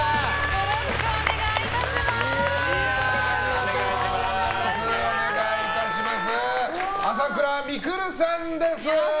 よろしくお願いします。